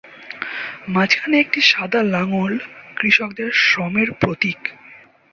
মাঝখানে একটি সাদা লাঙল কৃষকদের শ্রমের প্রতীক।